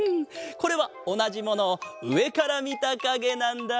これはおなじものをうえからみたかげなんだ。